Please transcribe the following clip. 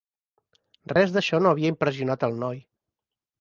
res d'això no havia impressionat el noi.